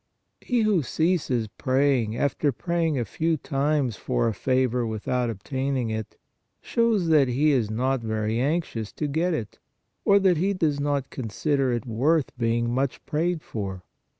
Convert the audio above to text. He who ceases praying after praying a few times for a favor without obtaining it, shows that he is not very anxious to get it, or that he does not con sider it worth being much prayed for.